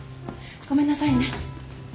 ごめんなさいね。